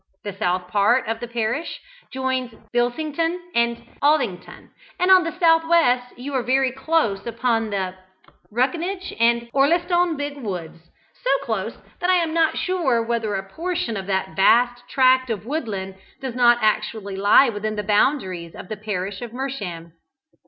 The south part of the parish joins Bilsington and Aldington, and on the south west you are very close upon the Ruckinge and Orlestone big woods so close that I am not sure whether a portion of that vast tract of woodland does not actually lie within the boundaries of the parish of Mersham.